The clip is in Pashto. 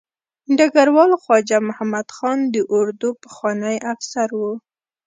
ډګروال خواجه محمد خان د اردو پخوانی افسر و.